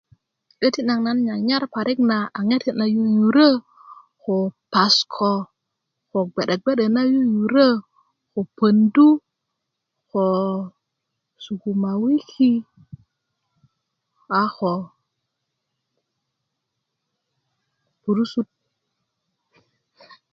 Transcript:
'deti naŋ nan nyanyar parik na a ŋete na yuyurö ko pasiko ko bge'de bge'de na yurö ko pondu ko sukumawiki a ko burusut